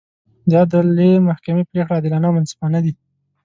د عدلي محکمې پرېکړې عادلانه او منصفانه دي.